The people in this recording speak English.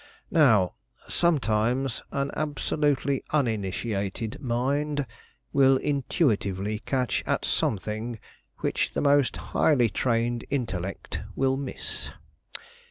Now sometimes an absolutely uninitiated mind will intuitively catch at something which the most highly trained intellect will miss.